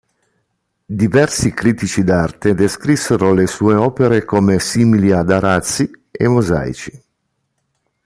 Diversi critici d'arte descrissero le sue opere come simili ad arazzi e mosaici.